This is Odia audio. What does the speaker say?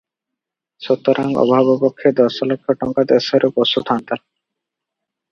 ସୁତରାଂ ଅଭାବ ପକ୍ଷେ ଦଶଲକ୍ଷ ଟଙ୍କା ଦେଶରେ ପଶୁଥାନ୍ତା ।